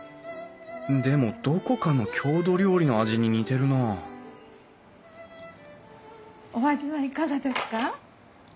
でもどこかの郷土料理の味に似てるなあお味はいかがですか？